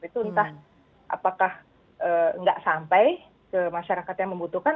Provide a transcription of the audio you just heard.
itu entah apakah nggak sampai ke masyarakat yang membutuhkan